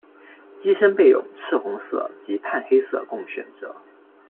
机身备有赤红色及碳黑色供选择。